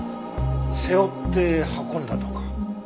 背負って運んだとか？